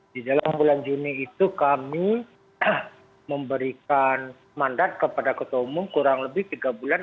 di dalam bulan juni itu kami memberikan mandat kepada ketua umum kurang lebih tiga bulan